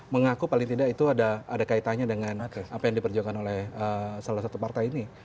mengaku paling tidak itu ada kaitannya dengan apa yang diperjuangkan oleh salah satu partai ini